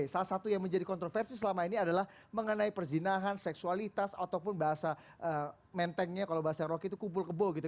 salah satu yang menjadi kontroversi selama ini adalah mengenai perzinahan seksualitas ataupun bahasa mentengnya kalau bahasa yang roky itu kumpul kebo gitu